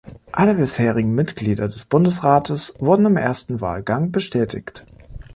Alle bisherigen Mitglieder des Bundesrates wurden im ersten Wahlgang bestätigt.